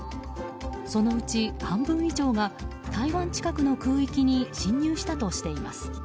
そのうち半分以上が、台湾近くの空域に侵入したとしています。